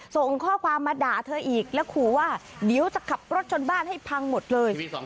ส่งข้อความมาด่าเธออีกแล้วขู่ว่าเดี๋ยวจะขับรถชนบ้านให้พังหมดเลย